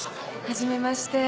初めまして。